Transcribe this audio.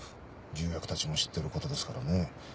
重役たちも知っていることですからね。